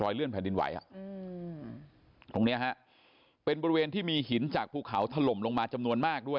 อยเลื่อนแผนดินไหว